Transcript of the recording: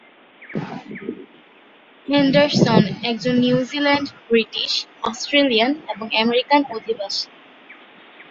Henderson একজন New Zealand, British, Australian এবং American অধিবাসী।